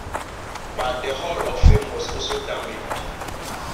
But the Hall of Fame was also damaged.